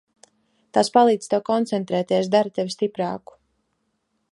Tās palīdz tev koncentrēties, dara tevi stiprāku.